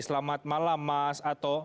selamat malam mas